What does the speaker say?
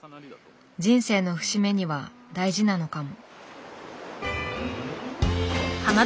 人生の節目には大事なのかも。